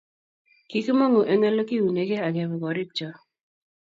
Kikimongu eng Ole kiunekei akebe gorikcho